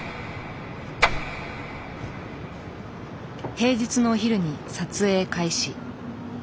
平日のお昼に撮影開始。